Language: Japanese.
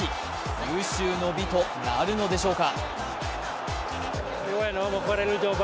有終の美となるのでしょうか。